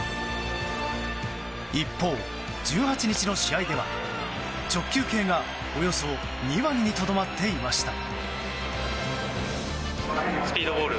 一方、１８日の試合では直球系が、およそ２割にとどまっていました。